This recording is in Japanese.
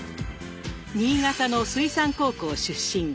新潟の水産高校出身。